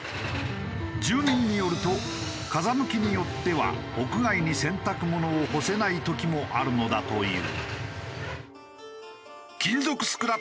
住民によると風向きによっては屋外に洗濯物を干せない時もあるのだという。